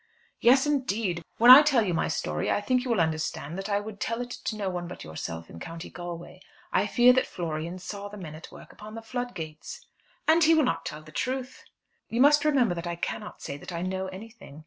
"Yes; indeed. When I tell you my story, I think you will understand that I would tell it to no one but yourself in County Galway. I fear that Florian saw the men at work upon the flood gates." "And will he not tell the truth?" "You must remember that I cannot say that I know anything.